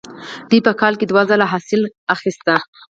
دوی په کال کې دوه ځله حاصل اخیست.